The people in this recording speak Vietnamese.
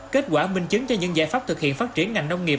kết quả minh chứng cho những giải pháp thực hiện phát triển ngành nông nghiệp